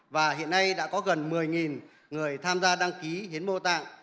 và hiện nay đã có gần một mươi người tham gia đăng ký hiến mô tạng